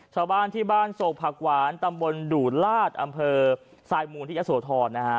ชาวบ้านที่บ้านโศกผักหวานตำบลดูลาดอำเภอสายมูลที่ยะโสธรนะฮะ